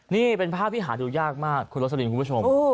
นี่เป็นภาพที่หาดูยากมากคุณโรสลินคุณผู้ชม